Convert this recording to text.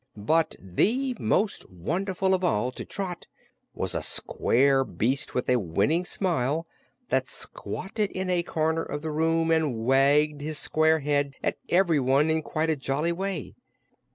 But the most wonderful of all to Trot was a square beast with a winning smile, that squatted in a corner of the room and wagged his square head at everyone in quite a jolly way.